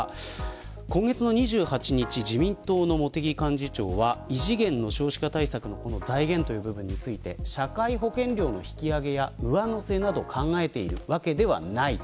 今月２８日、自民党の茂木幹事長は異次元の少子化対策の財源の部分について社会保険料の引き上げや上乗せを考えているわけではないと。